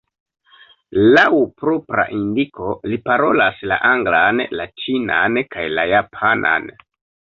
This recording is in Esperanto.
Laŭ propra indiko li parolas la anglan, la ĉinan kaj la japanan.